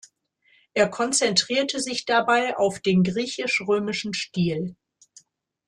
Er konzentrierte sich dabei auf den griechisch-römischen Stil.